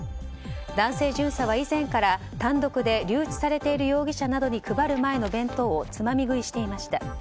男性巡査は以前から単独で留置されている容疑者に配る前の弁当をつまみ食いしていました。